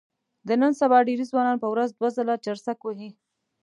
د نن سبا ډېری ځوانان په ورځ دوه ځله چرسک وهي.